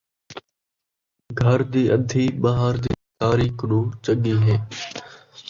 گھر دی ادھی ٻاہر دی ساری کنوں چن٘ڳی ہے